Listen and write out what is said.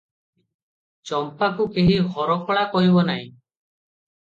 ଚମ୍ପାକୁ କେହି ହରକଳା କହିବ ନାହିଁ ।